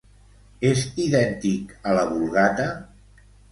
És idèntic a la Vulgata?